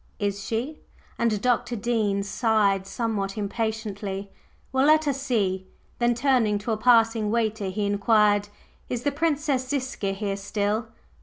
"Is she?" and Dr. Dean sighed somewhat impatiently. "Well, let us see!" Then, turning to a passing waiter, he inquired: "Is the Princess Ziska here still?"